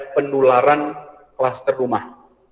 penularan klaster rumah